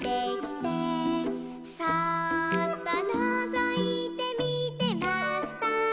「そうっとのぞいてみてました」